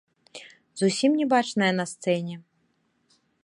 Зусім не бачная на сцэне.